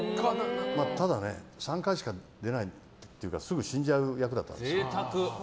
ただね、３回しか出ないというかすぐ死んじゃう役だったんです。